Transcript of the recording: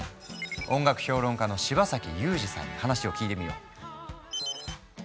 音楽評論家の柴崎祐二さんに話を聞いてみよう。